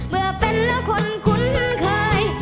เมื่อเป็นแล้วคนคุ้นเคย